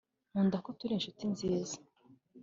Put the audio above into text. nkunda ko turi inshuti nziza